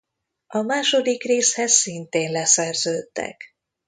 A második részhez szintén leszerződtek.